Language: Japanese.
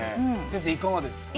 先生いかがですか？